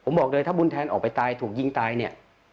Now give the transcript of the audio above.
ผมบอกเลยถ้าบุญแทนออกไปตายถูกยิงตายเนี่ย